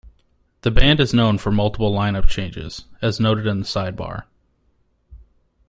The band is known for multiple lineup changes, as noted in the side bar.